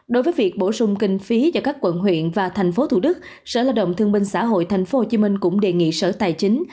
đối với việc bổ sung kinh phí cho các quận huyện và thành phố thủ đức sở lao động thương minh xã hội tp hcm cũng đề nghị sở tài chính